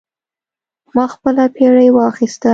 ما خپله بیړۍ واخیسته.